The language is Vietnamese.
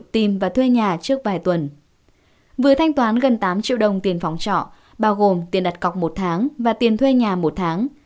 vừa thanh toán gần tám triệu đồng tiền phòng trọ bao gồm tiền đặt cọc một tháng và tiền thuê nhà một tháng